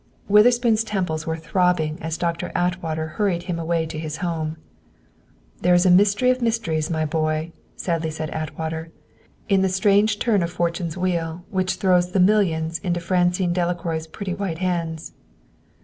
Witherspoon's temples were throbbing as Doctor Atwater hurried him away to his home. "There is a mystery of mysteries, my boy," sadly said Atwater, "in the strange turn of Fortune's wheel which throws the millions into Francine Delacroix's pretty white hands.